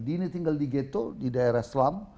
ini tinggal di geto di daerah slum